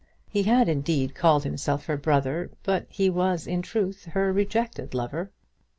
He had, indeed, called himself her brother, but he was in truth her rejected lover.